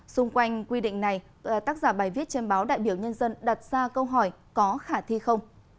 xung quanh quy định này tác giả bài viết trên báo đại biểu nhân dân đặt ra câu hỏi có khả thi không